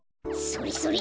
それそれ！